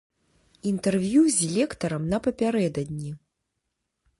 Інтэрв'ю з лектарам напярэдадні.